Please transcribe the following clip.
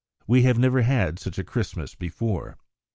We have never had such a Christmas before.